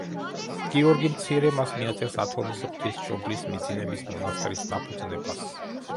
გიორგი მცირე მას მიაწერს ათონის ღვთისმშობლის მიძინების მონასტრის დაფუძნებას.